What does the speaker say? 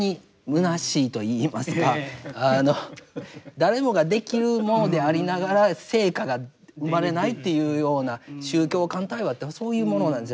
誰もができるものでありながら成果が生まれないっていうような宗教間対話ってそういうものなんですよ。